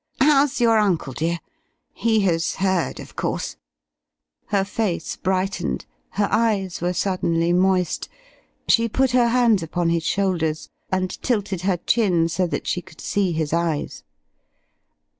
How's your uncle, dear? He has heard, of course?" Her face brightened, her eyes were suddenly moist. She put her hands upon his shoulders and tilted her chin so that she could see his eyes.